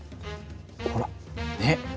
ほらねっ。